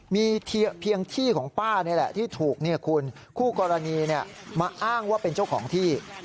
มีเพียงที่ของป้านี่แหละที่ถูกคู่กรณีมาอ้างว่าเป็นเจ้าของที่